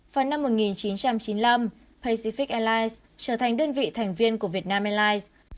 vào năm một nghìn chín trăm chín mươi năm pacific airlines trở thành đơn vị thành viên của việt nam airlines